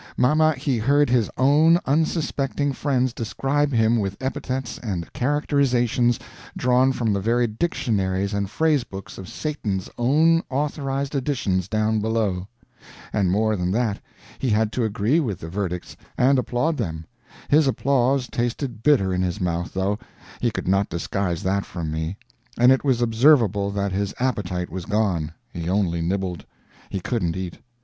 Mamma, he heard his own unsuspecting friends describe him with epithets and characterizations drawn from the very dictionaries and phrase books of Satan's own authorized editions down below. And more than that, he had to agree with the verdicts and applaud them. His applause tasted bitter in his mouth, though; he could not disguise that from me; and it was observable that his appetite was gone; he only nibbled; he couldn't eat.